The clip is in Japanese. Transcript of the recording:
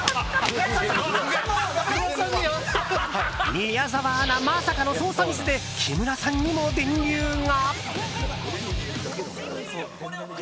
宮澤アナ、まさかの操作ミスで木村さんにも電流が？